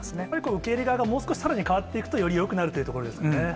受け入れ側がさらにもっと変わっていくと、よりよくなるというところですかね。